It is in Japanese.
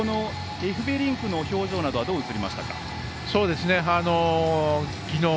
エフベリンクの表情などはどう映りましたか？